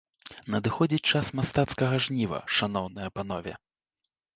Надыходзіць час мастацкага жніва, шаноўныя панове.